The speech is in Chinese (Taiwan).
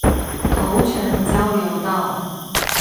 頭城交流道